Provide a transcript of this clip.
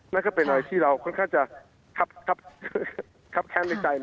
นั่นก็เป็นอะไรที่เราค่อนข้างจะคับแค้นในใจ